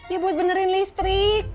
ya buat benerin listrik